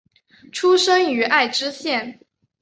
出身于爱知县。